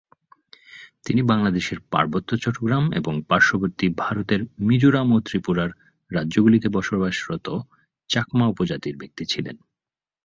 তিনি বাংলাদেশের পার্বত্য চট্টগ্রাম এবং পার্শ্ববর্তী ভারতের মিজোরাম ও ত্রিপুরার রাজ্যগুলিতে বসবাসরত চাকমা উপজাতির ব্যক্তি ছিলেন।